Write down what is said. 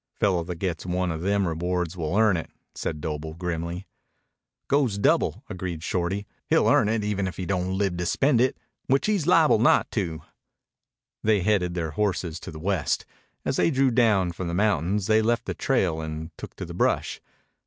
"Fellow that gets one o' them rewards will earn it," said Doble grimly. "Goes double," agreed Shorty. "He'll earn it even if he don't live to spend it. Which he's liable not to." They headed their horses to the west. As they drew down from the mountains they left the trail and took to the brush.